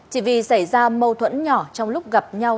chỉ vì xảy ra mâu thuẫn nhỏ trong lúc gặp nhau